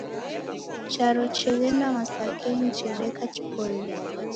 Charo cheghenda masakenyi chedeka chipoiye.